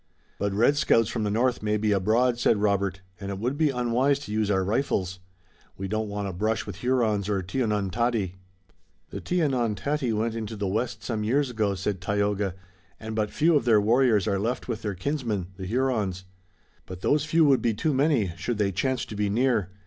"But red scouts from the north may be abroad," said Robert, "and it would be unwise to use our rifles. We don't want a brush with Hurons or Tionontati." "The Tionontati went into the west some years ago," said Tayoga, "and but few of their warriors are left with their kinsmen, the Hurons." "But those few would be too many, should they chance to be near.